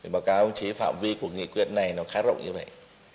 báo cáo chí phạm vi của nghị quyết này khá rộng như vậy